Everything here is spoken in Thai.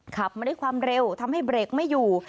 ขับมาด้วยความเร็วทำให้เบรกไม่อยู่